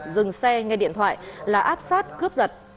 dừng xe nghe điện thoại là áp sát cướp giật